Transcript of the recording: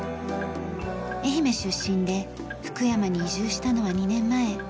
愛媛出身で福山に移住したのは２年前。